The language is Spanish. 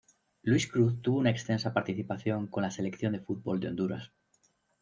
Luis Cruz tuvo una extensa participación con la selección de fútbol de Honduras.